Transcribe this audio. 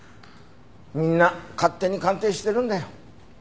みんな勝手に鑑定してるんだよ。